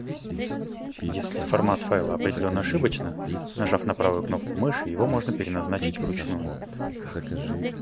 Если формат файла определён ошибочно, нажав на правую кнопку мыши его можно переназначить вручную.